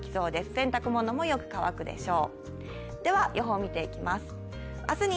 洗濯物もよく乾くでしょう。